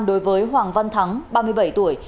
đối với hoàng văn thắng ba mươi bảy tuổi